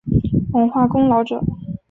文化功劳者。